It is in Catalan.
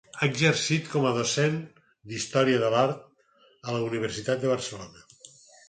Ha exercit com a docent d'Història de l'Art a la Universitat de Barcelona.